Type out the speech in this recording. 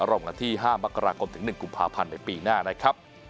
รวมกันที่๕มกราคมถึง๑กุมภาพันธ์ในปีหน้านะครับ